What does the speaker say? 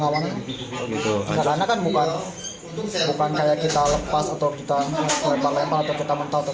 karena kan bukan kayak kita lepas atau kita lepar lepar atau kita mentau atau kita gitu kan